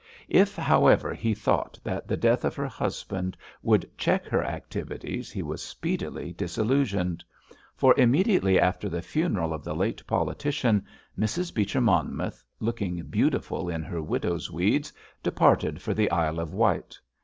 If, however, he thought that the death of her husband would check her activities he was speedily disillusioned. For immediately after the funeral of the late politician, Mrs. Beecher Monmouth, looking beautiful in her widow's weeds, departed for the Isle of Wight.